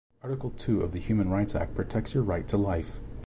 Article Two of the Human Rights Act protects your right to life.